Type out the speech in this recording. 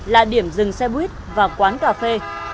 là điểm dừng xe buýt và quán cà phê